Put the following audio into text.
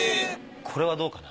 これはどうかな？